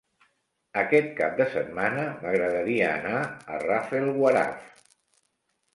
Aquest cap de setmana m'agradaria anar a Rafelguaraf.